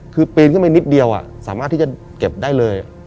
คือปีนขึ้นไปนิดเดียวสามารถที่จะเก็บได้เลย